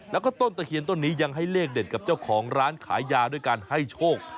แล้วก็ต้นตะเคียนต้นนี้ยังให้เลขเด็ดกับเจ้าของร้านขายยาด้วยการให้โชค